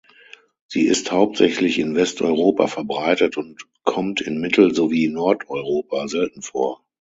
Sie ist hauptsächlich in Westeuropa verbreitet und kommt in Mittel- sowie Nordeuropa selten vor.